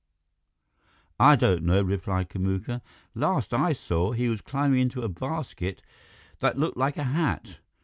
"I don't know," replied Kamuka. "Last I saw, he was climbing into a basket that looked like a hat.